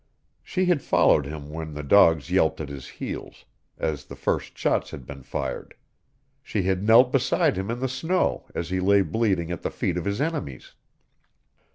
She had followed him when the dog yelped at his heels, as the first shots had been fired; she had knelt beside him in the snow as he lay bleeding at the feet of his enemies.